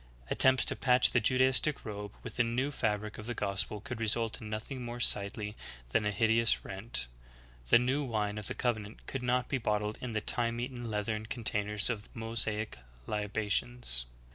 Attempts to patch the Judaistic robe with the new fabric of the gospel could result in nothing more sightly than a hideous rent. The new vv^ine of the covenant could not be bottled in the time eaten leathern containers of Mosaic li bations.